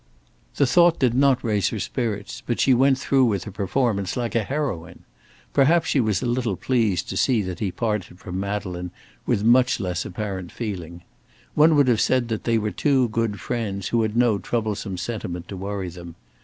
The thought did not raise her spirits, but she went through with her performance like a heroine. Perhaps she was a little pleased to see that he parted from Madeleine with much less apparent feeling. One would have said that they were two good friends who had no troublesome sentiment to worry them.